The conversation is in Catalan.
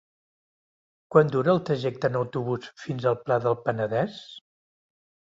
Quant dura el trajecte en autobús fins al Pla del Penedès?